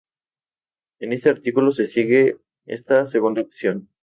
En este artículo se sigue esta segunda opción.